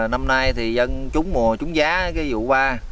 năm nay thì dân trúng mùa trúng giá cái vụ hoa